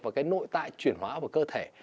vào cái nội tại chuyển hóa vào cơ thể